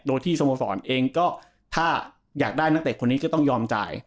โดยที่สโมสรเองก็ถ้าอยากได้นักเตะคนนี้ก็ต้องยอมจ่าย